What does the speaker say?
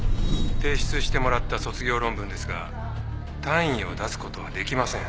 提出してもらった卒業論文ですが単位を出すことはできません